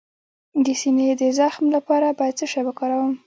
د سینې د زخم لپاره باید څه شی وکاروم؟